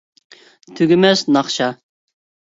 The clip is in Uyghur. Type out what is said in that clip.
تۈگىمەس ناخشا